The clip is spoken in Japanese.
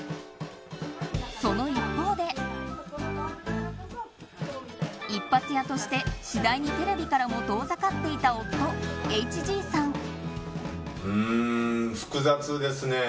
その一方で一発屋として次第にテレビからも遠ざかっていた夫・ＨＧさん。